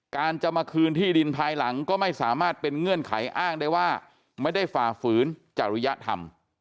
จะมาคืนที่ดินภายหลังก็ไม่สามารถเป็นเงื่อนไขอ้างได้ว่าไม่ได้ฝ่าฝืนจริยธรรม